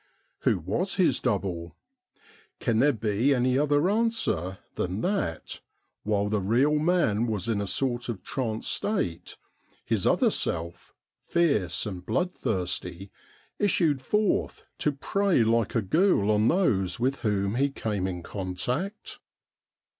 Who was his double ? Can there be any other answer than that, while the real man was in a sort of trance state, his other self, fierce and bloodthirsty, issued forth to prey like a ghoul on those with whom he came in contact